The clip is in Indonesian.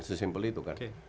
sesimpel itu kan